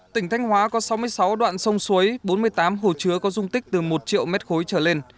tỉnh thanh hóa có sáu mươi sáu đoạn sông suối bốn mươi tám hồ chứa có dung tích từ một triệu m ba trở lên